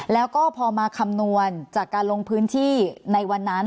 แล้วก็พอมาคำนวณจากการลงพื้นที่ในวันนั้น